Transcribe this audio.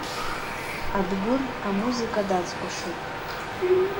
Адгәыр амузыка дацкәашоит.